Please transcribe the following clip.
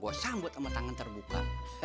wah sambut sama tangan terbuka